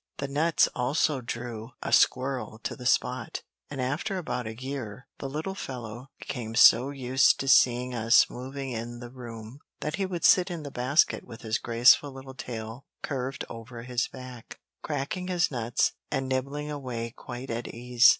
The nuts also drew a squirrel to the spot, and after about a year, the little fellow became so used to seeing us moving in the room that he would sit in the basket with his graceful little tail curved over his back, cracking his nuts, and nibbling away quite at ease.